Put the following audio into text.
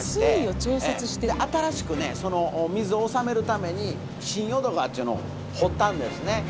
新しくねその水を治めるために新淀川っちゅうのを掘ったんですね。